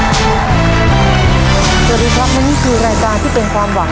สวัสดีครับและนี่คือรายการที่เป็นความหวัง